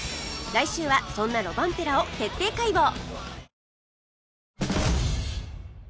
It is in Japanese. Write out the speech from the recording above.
来週はそんなロバンペラを徹底解剖